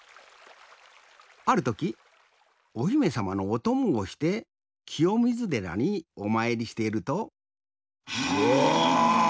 あるときおひめさまのおともをしてきよみずでらにおまいりしていると「ぐおお！